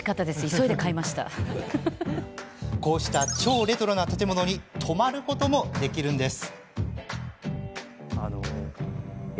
こうした超レトロな建物に泊まることもできるんです。